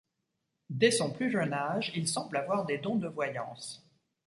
Dès son plus jeune âge, il semble avoir des dons de voyance.